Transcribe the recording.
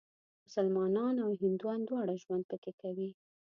مسلمانان او هندوان دواړه ژوند پکې کوي.